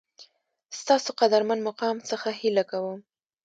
ستاسو قدرمن مقام څخه هیله کوم